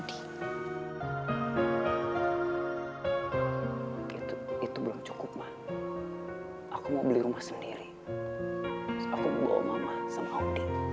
itu itu belum cukup aku mau beli rumah sendiri aku bawa mama sama udi